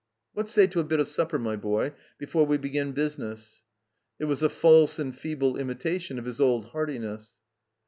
"What say to a bit of supper, my boy, before we begin business?" It was a false and feeble imitation of his old hearti ness.